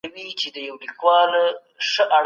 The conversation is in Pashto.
سياسي علم به تر پخوا ډېر پرمختګ وکړي.